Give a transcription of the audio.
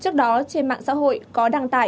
trước đó trên mạng xã hội có đăng tải